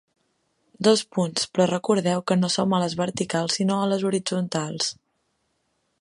Dos punts, però recordeu que no som a les verticals sinó a les horitzontals.